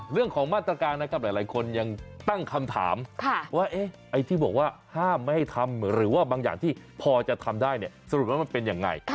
เรื่องของมาตรการนะครับหลายคนยังตั้งคำถามว่าไอ้ที่บอกว่าห้ามไม่ให้ทำหรือว่าบางอย่างที่พอจะทำได้เนี่ยสรุปว่ามันเป็นยังไง